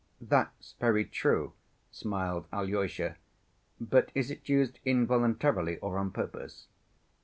"That's very true," smiled Alyosha. "But is it used involuntarily or on purpose?"